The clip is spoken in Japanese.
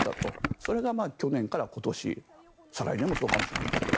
それが去年から今年再来年もそうかもしれません。